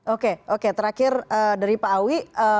oke oke terakhir dari pak awi